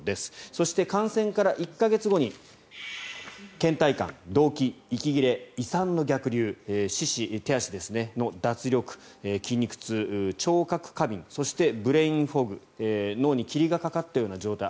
そして感染から１か月後にけん怠感、動悸、息切れ胃酸の逆流、四肢の脱力筋肉痛、聴覚過敏そしてブレインフォグ脳に霧がかかったような状態